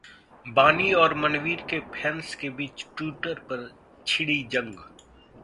बानी और मनवीर के फैंस के बीच ट्विटर पर छिड़ी जंग